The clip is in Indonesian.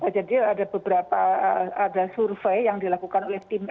jadi ada beberapa survei yang dilakukan oleh tim fkn ui